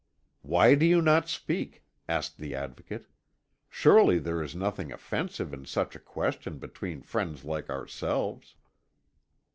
"Why do you not speak?" asked the Advocate. "Surely there is nothing offensive in such a question between friends like ourselves."